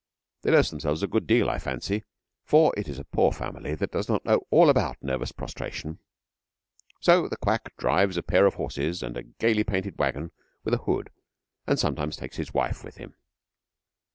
They dose themselves a good deal, I fancy, for it is a poor family that does not know all about nervous prostration. So the quack drives a pair of horses and a gaily painted waggon with a hood, and sometimes takes his wife with him.